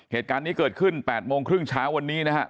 เหตุการณ์นี้เกิดขึ้น๘โมงครึ่งเช้าวันนี้นะครับ